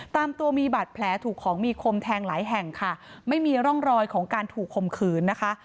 ตามตัวมีบาดแผลถูกของมีคมแทงหลายแห่งค่ะไม่มีร่องรอยของการถูกคมขืนนะคะ